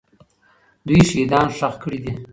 دوی شهیدان ښخ کړي دي.